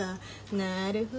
なるほど。